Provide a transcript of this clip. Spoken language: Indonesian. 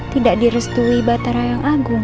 tidak direstui batara yang agung